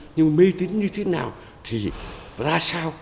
nhưng mê tín như thế nào thì ra sao